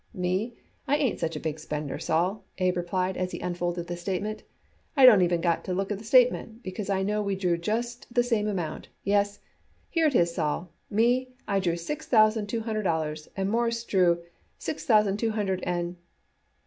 "Me, I ain't such a big spender, Sol," Abe replied as he unfolded the statement. "I don't even got to look at the statement, because I know we drew just the same amount. Yes, here it is Sol. Me, I drew six thousand two hundred dollars, and Mawruss drew six thousand two hundred and